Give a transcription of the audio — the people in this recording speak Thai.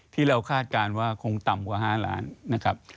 คาดการณ์ว่าคงต่ำกว่า๕ล้านนะครับ